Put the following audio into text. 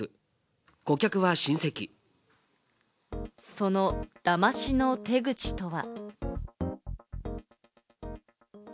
そのだましの手口とは。